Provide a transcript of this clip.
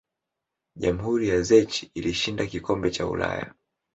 jamhuri ya czech ilishinda kikombe cha ulaya